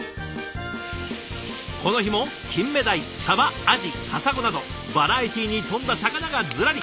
この日もキンメダイサバアジカサゴなどバラエティーに富んだ魚がズラリ。